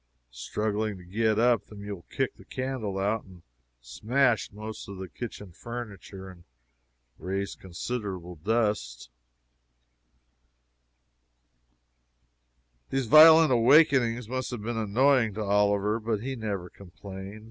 Struggling to get up, the mule kicked the candle out and smashed most of the kitchen furniture, and raised considerable dust. These violent awakenings must have been annoying to Oliver, but he never complained.